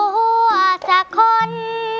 ฝากตัวสักคน